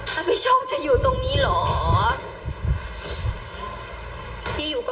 ถ้าไม่ชอบจะอยู่ตรงนี้หรอ